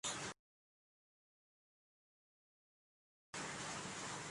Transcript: Mji mkubwa kando lake ni Istanbul.